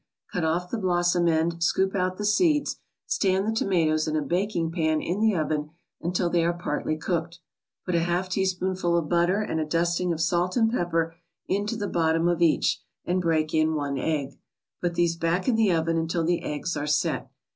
Cut off the blossom end, scoop out the seeds, stand the tomatoes in a baking pan in the oven until they are partly cooked. Put a half teaspoonful of butter and a dusting of salt and pepper into the bottom of each, and break in one egg. Put these back in the oven until the eggs are "set."